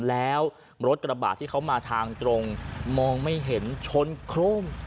แล้วรถกระบาดที่เขามาทางตรงมองไม่เห็นชนโครม